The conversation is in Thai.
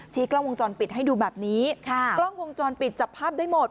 กล้องวงจรปิดให้ดูแบบนี้ค่ะกล้องวงจรปิดจับภาพได้หมด